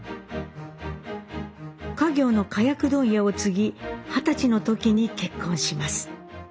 稼業の火薬問屋を継ぎ二十歳の時に結婚します。